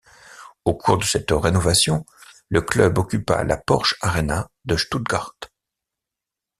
Au cours de cette rénovation, le club occupa la Porsche-Arena de Stuttgart.